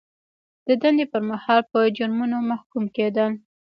د دندې پر مهال په جرمونو محکوم کیدل.